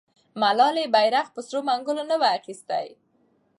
ملالۍ بیرغ په سرو منګولو نه و اخیستی.